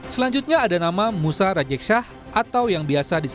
selanjutnya ada nama musa rajeksah atau yang biasa disebut